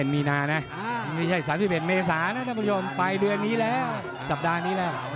มีนานะไม่ใช่๓๑เมษานะท่านผู้ชมไปเดือนนี้แล้วสัปดาห์นี้แล้ว